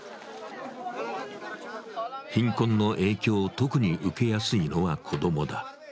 貧困の影響を特に受けやすいのは子供だ。